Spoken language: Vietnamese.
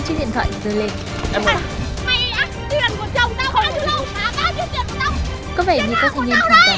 thế nhưng không mấy ai muốn can thiệp